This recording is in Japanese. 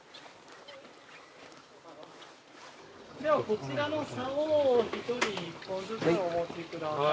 ではこちらのさおを一人１本ずつお持ちください。